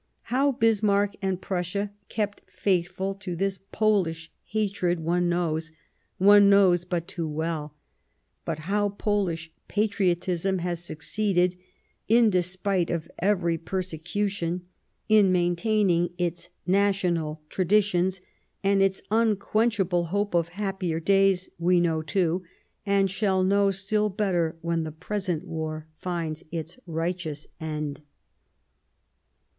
How Bismarck and Prussia kept faithful to this Polish hatred, one knows ; one knows but too well ; but how Polish patriotism has succeeded, in despite of every persecution, in maintaining its national traditions and its unquenchable hope of happier days we know, too, and shall know still better when the present war finds its righteous end.